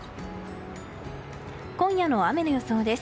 今夜の雨の予想です。